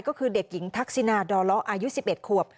ก็คือเด็กหญิงทักซินาดรอ๑๑ควบ